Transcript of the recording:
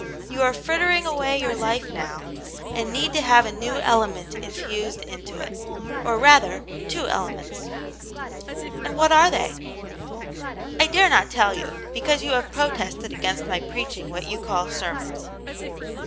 You are frittering away your life now, and need to have a new element infused into it. Or rather, two ele ments." " And what are they }"" I dare not tell you, because you have protested against my preaching what you call sermons."